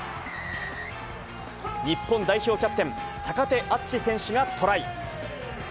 日本代表キャプテン、坂手淳史選手がトライ。